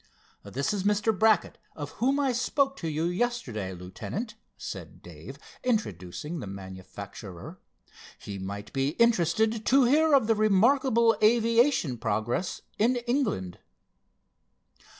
"This is Mr. Brackett, of whom I spoke to you yesterday, Lieutenant," said Dave, introducing the manufacturer. "He might be interested to bear of the remarkable aviation progress in England."